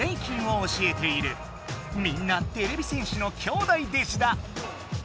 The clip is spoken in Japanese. みんなてれび戦士のきょうだい弟子だ。